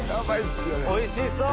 おいしそう！